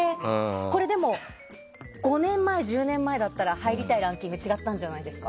５年前、１０年前だったら入りたいランキング違ったんじゃないですか？